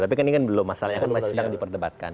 tapi ini kan belum masalah masih sedang diperdebatkan